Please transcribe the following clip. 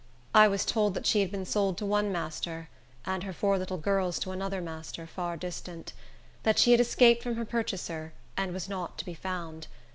I was told that she had been sold to one master, and her four little girls to another master, far distant; that she had escaped from her purchaser, and was not to be found.